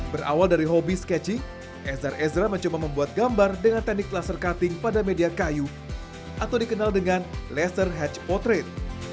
berawal dari hobi sketching ezer ezra mencoba membuat gambar dengan teknik laser cutting pada media kayu atau dikenal dengan laser headch potret